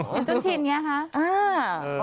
เห็นจนชินไงคะ